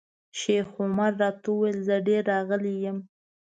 شیخ عمر راته وویل زه ډېر راغلی یم.